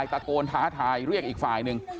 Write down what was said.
ตะโกนท้าทายเรียกอีกฝ่ายหนึ่ง